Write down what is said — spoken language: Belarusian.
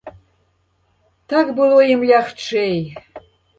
Так было ім лягчэй.